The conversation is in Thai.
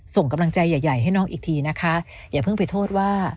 ส่งกำลังใจใหญ่ให้น้องอีกทีนะคะอย่าเพิ่งไปโทษว่า